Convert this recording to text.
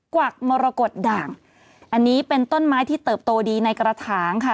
วักมรกฏด่างอันนี้เป็นต้นไม้ที่เติบโตดีในกระถางค่ะ